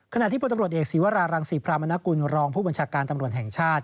ขณะที่พลตำรวจเอกศีวรารังศรีพรามนกุลรองผู้บัญชาการตำรวจแห่งชาติ